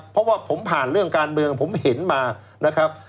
เพราะว่าผมผ่านเรื่องการเมืองผมเห็นมานะครับ